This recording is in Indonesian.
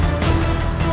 tidak ada yang bisa diberi